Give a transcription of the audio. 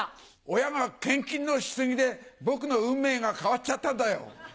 親が献金のし過ぎで僕の運命が変わっちゃったんだよ。